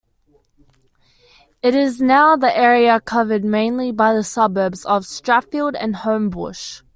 It is now the area covered mainly by the suburbs of Strathfield and Homebush.